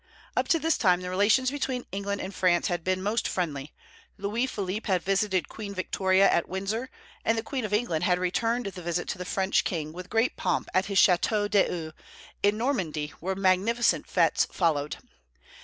Up to this time the relations between England and France had been most friendly. Louis Philippe had visited Queen Victoria at Windsor, and the Queen of England had returned the visit to the French king with great pomp at his chateau d'Eu, in Normandy, where magnificent fêtes followed.